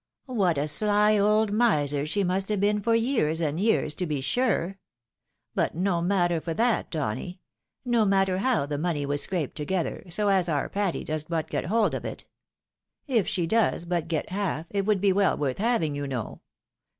" What a sly old miser she must have been for years and years, to be sure ! But no matter for that, Donny — no matter howthe moneywas scraped together, so as our Patty does but get hold of it. If she does but get half, it would be weU worth having, you know.